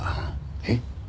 えっ？